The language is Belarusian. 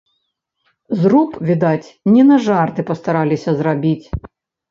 Зруб, відаць, не на жарты пастараліся зрабіць.